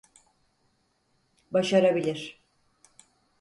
Başarabilir.